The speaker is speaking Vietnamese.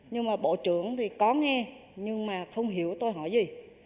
nhưng mà bộ trưởng thì có nghe nhưng mà không hiểu tôi hỏi gì